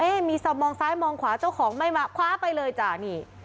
มีสอบมองซ้ายมองขวาเจ้าของไม่มาคว้าไปเลยจ้านี่